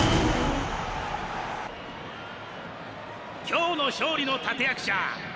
今日の勝利の立て役者！